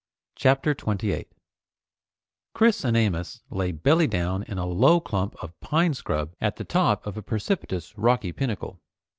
CHAPTER 28 Chris and Amos lay belly down in a low clump of pine scrub at the top of a precipitous rocky pinnacle.